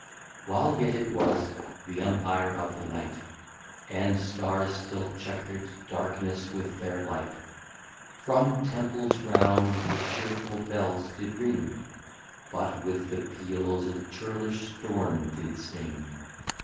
While yet it was the Empire of the Night, And Stars still check'r'd Darkness with their Light, From Temples round the cheerful Bells did ring, But with the Peales a churlish Storm did sing.